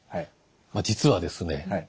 実はですね